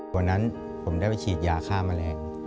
วันนั้นผมได้ไปฉีดยาฆ่าแมลง